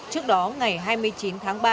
trước đó ngày hai mươi chín tháng ba